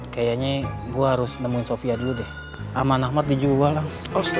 kayaknya gua harus nemuin sofia dulu deh aman ahmad dijualan